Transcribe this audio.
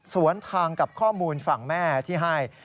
สวนทางกับข้อมูลฝั่งแม่ที่ให้